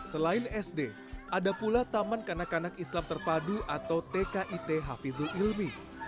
selain sd ada pula taman kanak kanak islam terpadu atau tkit hafizul ilmi